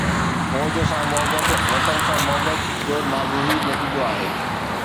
فوج سان محبت وطن سان محبت جو ناگزير نتيجو آهي.